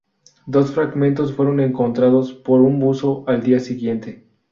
Dos fragmentos fueron encontrados por un buzo al día siguiente.